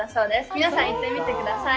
皆さん、行ってみてください。